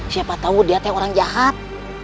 siapa tahu dia teh orang jahat